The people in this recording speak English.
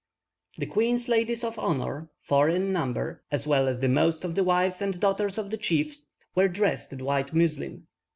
The queen's ladies of honour, four in number, as well as most of the wives and daughters of the chiefs, were dressed in white muslin.